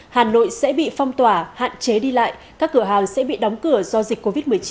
hà nội sẽ bị phong tỏa hạn chế đi lại các cửa hàng sẽ bị đóng cửa do dịch covid một mươi chín